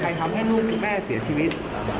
ใครฟังให้ลูกของแม่เสียชีวิต